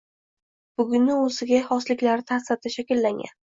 buguni, o‘ziga xosliklari ta’sirida shakllangan